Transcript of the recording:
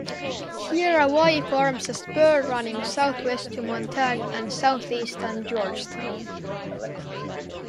Here a wye forms a spur running southwest to Montague and southeast and Georgetown.